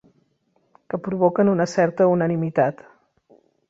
Que provoquen una certa unanimitat.